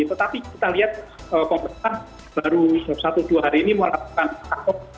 tetapi kita lihat kompresen baru satu dua hari ini melakukan hack off